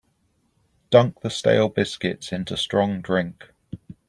Dunk the stale biscuits into strong drink.